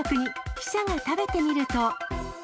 記者が食べてみると。